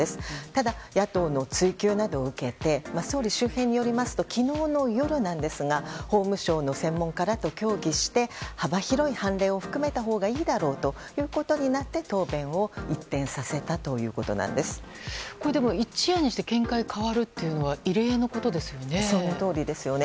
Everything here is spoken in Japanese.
ただ、野党の追及などを受けて総理周辺によりますと昨日の夜なんですが法務省の専門家などと協議して幅広い判例を含めたほうがいいだろうということになってでも一夜にして見解が変わるというのはそのとおりです。